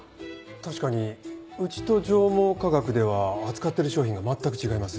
確かにうちと上毛化学では扱ってる商品が全く違います。